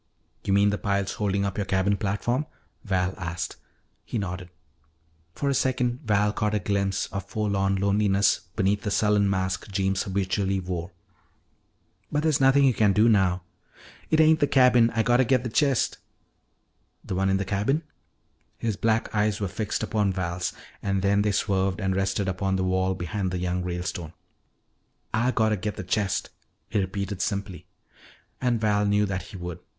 "You mean the piles holding up your cabin platform?" Val asked. He nodded. For a second Val caught a glimpse of forlorn loneliness beneath the sullen mask Jeems habitually wore. "But there's nothing you can do now " "It ain't the cabin. Ah gotta git the chest " "The one in the cabin?" His black eyes were fixed upon Val's, and then they swerved and rested upon the wall behind the young Ralestone. "Ah gotta git the chest," he repeated simply. And Val knew that he would.